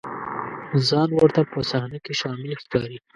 ځان ورته په صحنه کې شامل ښکاري.